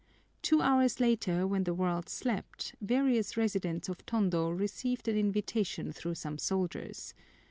Two hours later, when the world slept, various residents of Tondo received an invitation through some soldiers.